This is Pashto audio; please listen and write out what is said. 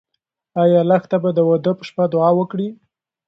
ایا لښته به د واده په شپه دعا وکړي؟